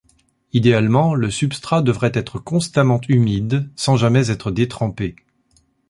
Idéalement, le substrat devrait être constamment humide sans jamais être détrempé.